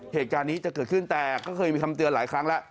เหตุการณ์นี้จะเกิดขึ้นแต่ก็เคยมีคำเตือนหลายครั้งแล้ว